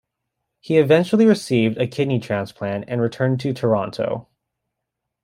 He eventually received a kidney transplant and returned to Toronto.